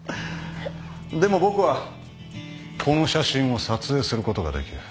でも僕はこの写真を撮影することができる。